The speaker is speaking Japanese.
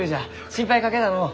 心配かけたのう。